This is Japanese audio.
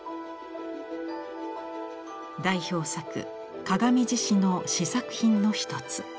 代表作「鏡獅子」の試作品の一つ。